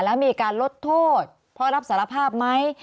แล้วมีการลดโทษเพราะรับสารภาพไหม